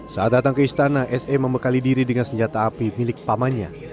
saat datang ke istana se membekali diri dengan senjata api milik pamannya